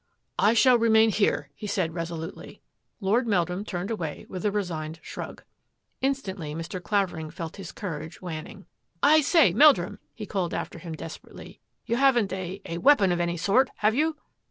" I shall remain here," he said resolutely. Lord Meldrum turned away with a resigned shrug. Instantly Mr. Clavering felt his courage waning. " I say, Meldrum," he called after him des perately, " you haven't a — a weapon of any sort, have you?